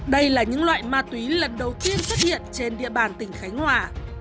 đây là những loại ma túy lần đầu tiên xuất hiện trên địa bàn tỉnh khánh hòa